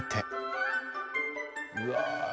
うわ。